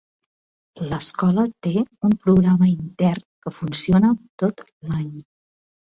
L'escola té un programa intern que funciona tot l'any.